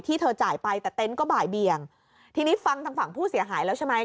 เธอจ่ายไปแต่เต็นต์ก็บ่ายเบียงทีนี้ฟังทางฝั่งผู้เสียหายแล้วใช่ไหม